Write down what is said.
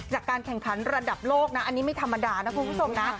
จากการแข่งขันระดับโลกนะอันนี้ไม่ธรรมดานะคุณผู้ชมนะ